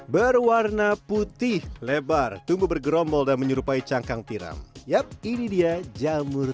berwarna putih lebar tumbuh bergerombol dan menyerupai cangkang tiram yap ini dia jamur